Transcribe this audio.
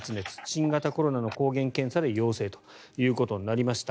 新型コロナの抗原検査で陽性ということになりました。